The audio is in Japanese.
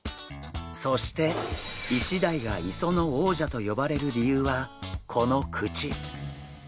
そしてイシダイが磯の王者と呼ばれる理由はこの口！